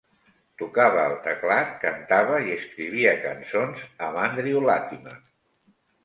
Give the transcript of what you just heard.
Tocava el teclat, cantava i escrivia cançons amb Andrew Latimer.